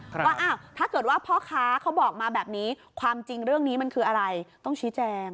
ว่าอ้าวถ้าเกิดว่าพ่อค้าเขาบอกมาแบบนี้ความจริงเรื่องนี้มันคืออะไรต้องชี้แจง